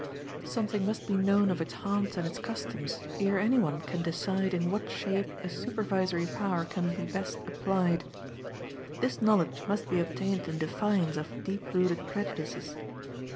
Something must be known of its haunts and its customs ere any one can decide in what shape a supervisory power can be best applied. This knowledge must be obtained in defiance of deep rooted prejudices.